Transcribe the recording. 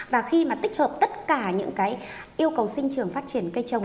và khi mà tích hợp tất cả những cái yêu cầu sinh trường phát triển cây trồng